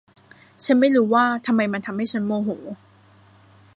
ฉันไม่รู้ว่าทำไมมันทำให้ฉันโมโห